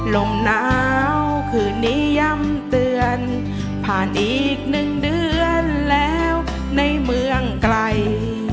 ลมหนาวคืนนี้ย้ำเตือนผ่านอีกหนึ่งเดือนแล้วในเมืองไกล